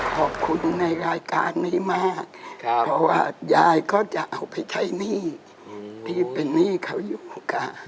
ขอบคุณในรายการนี้มากเพราะว่ายายก็จะเอาไปใช้หนี้ที่เป็นหนี้เขาอยู่ค่ะ